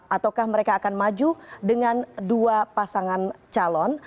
ataukah mereka akan maju dengan dua pasangan calon